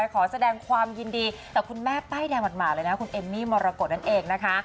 ขอแสดงความยินดีต่อคุณแม่ป้ายแดงหมาดเลยนะคุณเอมมี่มรกฏนั่นเองนะคะ